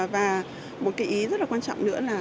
và một cái ý rất là quan trọng nữa là